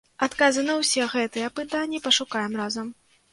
Адказы на ўсе гэтыя пытанні пашукаем разам.